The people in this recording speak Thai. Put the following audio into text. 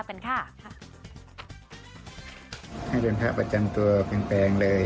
ให้เป็นพระประจำตัวแปลงเลย